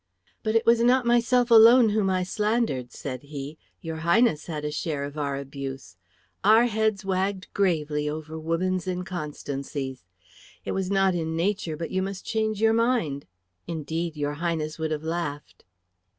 "But it was not myself alone whom I slandered," said he. "Your Highness had a share of our abuse. Our heads wagged gravely over woman's inconstancies. It was not in nature but you must change your mind. Indeed, your Highness would have laughed."